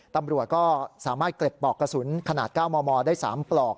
ตำรวจก็สามารถเก็บปลอกกระสุนขนาด๙มมได้๓ปลอก